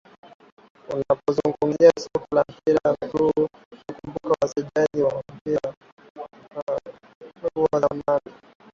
unapozungumzia soka la mpira wa miguu utawakumbuka wachezaji wa mpira wa miguu wa zamani